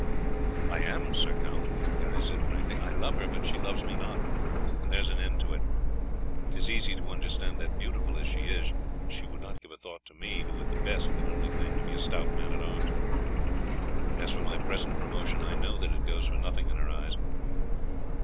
"I am, Sir Count," Guy said frankly. "I love her, but she loves me not, and there is an end of it. 'Tis easy to understand that, beautiful as she is, she should not give a thought to me who, at the best, can only claim to be a stout man at arms; as for my present promotion, I know that it goes for nothing in her eyes."